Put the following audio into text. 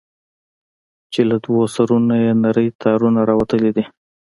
چې له دوو سرونو يې نري تارونه راوتلي دي.